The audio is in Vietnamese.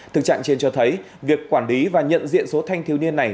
thực trạng trên cho thấy việc quản lý và nhận diện số thanh thiếu niên này